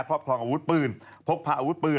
ครอบครองอาวุธปืนพกพาอาวุธปืน